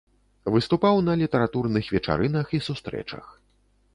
Выступаў на літаратурных вечарынах і сустрэчах.